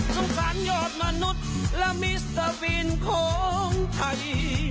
สงสารยอดมนุษย์และมิสเตอร์ฟินของไทย